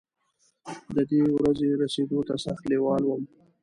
د دې ورځې رسېدو ته سخت لېوال وم.